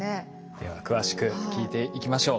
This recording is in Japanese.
では詳しく聞いていきましょう。